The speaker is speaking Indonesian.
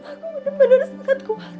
aku benar benar sangat khawatir